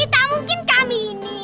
tak mungkin kami ini